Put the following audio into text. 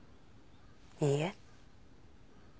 いいえ。